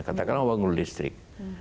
katakanlah uang listrik